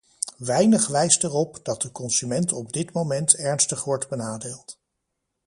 Weinig wijst erop dat de consument op dit moment ernstig wordt benadeeld.